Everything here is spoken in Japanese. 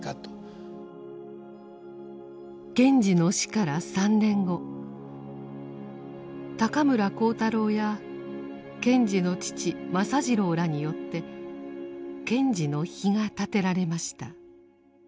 賢治の死から３年後高村光太郎や賢治の父政次郎らによって賢治の碑が建てられました。